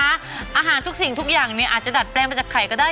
อาหารทุกสิ่งทุกอย่างอาจจะดัดแปลงมาจากไข่ก็ได้